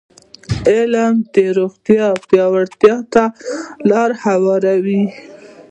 علم د روغتیا پیاوړتیا ته لاره هواروي.